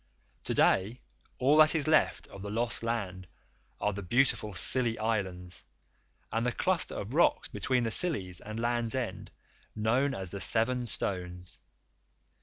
To day all that is left of the lost land are the beautiful Scilly Islands and the cluster of rocks between the Scillies and Land's End, known as the Seven Stones.